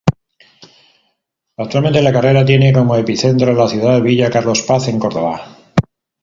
Actualmente la carrera tiene como epicentro la ciudad Villa Carlos Paz, en Córdoba.